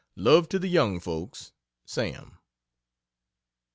Love to the young folks, SAM.